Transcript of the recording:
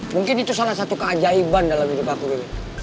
mungkin itu salah satu keajaiban dalam hidup aku ini